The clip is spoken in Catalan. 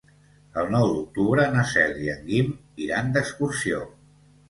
El nou d'octubre na Cel i en Guim iran d'excursió.